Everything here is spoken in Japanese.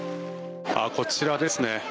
こちらですね。